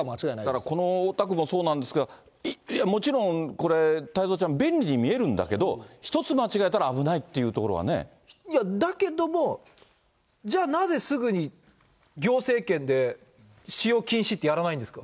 だからこの大田区もそうなんですが、もちろん、これ、太蔵ちゃん、便利に見えるんだけれども、一つ間違えたら危ないっていうといや、だけども、じゃあなぜすぐに、行政権で使用禁止ってやらないんですか。